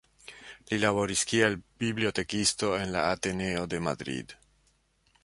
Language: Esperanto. Li laboris kiel bibliotekisto en la Ateneo de Madrid.